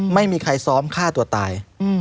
ไม่มีใครซ้อมฆ่าตัวตาย